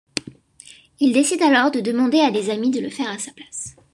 Il décide alors de demander à des amis de le faire à sa place.